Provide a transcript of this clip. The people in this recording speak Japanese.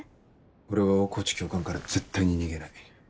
俺は大河内教官から絶対に逃げない。